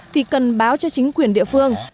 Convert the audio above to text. thì cần báo cho chính quyền địa phương